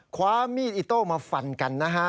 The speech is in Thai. คว้ามีดอิโต้มาฟันกันนะฮะ